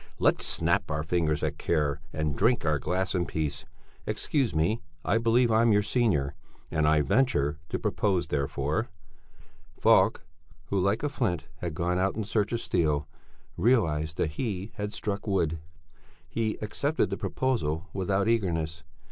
Let's snap our fingers at care and drink our glass in peace. Excuse me I believe I'm your senior and I venture to propose therefore...." Falk, who like a flint had gone out in search of steel, realized that he had struck wood. He accepted the proposal without eagerness.